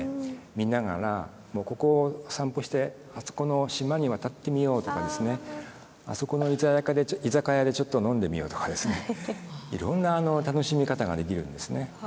見ながらもうここを散歩してあそこの島に渡ってみようとかですねあそこの居酒屋でちょっと飲んでみようとかですねいろんな楽しみ方ができるんですね。